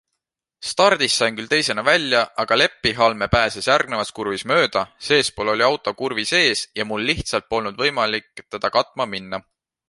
Stardist sain küll teisena väja, aga Leppihalme pääses järgnevas kurvis mööda - seespool oli auto kurvis ees ja mul lihtsalt polnud võimalik teda katma minna.